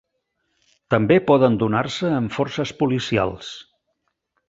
També poden donar-se en forces policials.